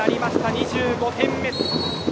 ２５点目。